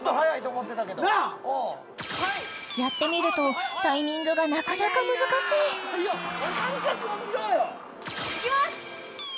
やってみるとタイミングがなかなか難しいいきます！